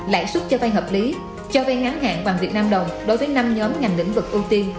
lãi suất cho vay hợp lý cho vay ngắn hạn bằng việt nam đồng đối với năm nhóm ngành lĩnh vực ưu tiên